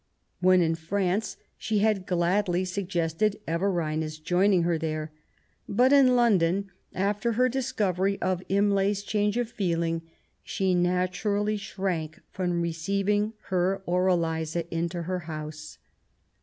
When in France she had gladly suggested Everina^s joining her there ; but in London, after her discovery of Imlay's change of feeling, she naturally shrank from receiving her or Eliza into her house.